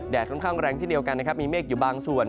ค่อนข้างแรงเช่นเดียวกันนะครับมีเมฆอยู่บางส่วน